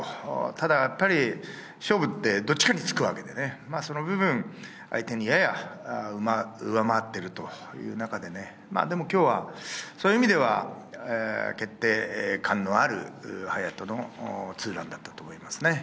ただやっぱり、勝負ってどっちかにつくわけで、その部分、相手にやや上回っているという中でね、でも、きょうはそういう意味では、決定感のある勇人のツーランだったと思いますね。